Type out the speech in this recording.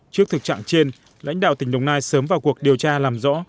trước thực trạng trên lãnh đạo tỉnh đồng nai sớm vào cuộc điều tra làm rõ